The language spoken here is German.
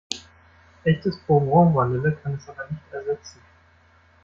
Echtes Bourbon-Vanille kann es aber nicht ersetzen.